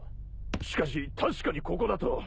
・しかし確かにここだと。